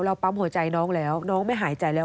ปั๊มหัวใจน้องแล้วน้องไม่หายใจแล้ว